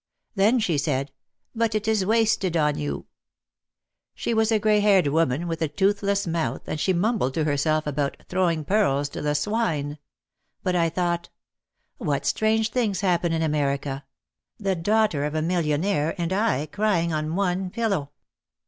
Then she said, "But it is wasted on you." She was a grey haired woman with a toothless mouth and she mumbled to herself about "throwing pearls to the swine." But I thought, "What strange things happen in America, the daughter of a millionaire and I crying on one pil low."